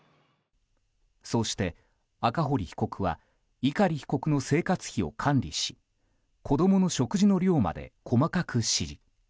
そうして赤堀被告は碇被告の生活費を管理し子供の食事の量まで細かく指示。